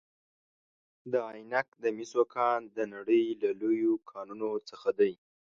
د عینک د مسو کان د نړۍ له لویو کانونو څخه دی.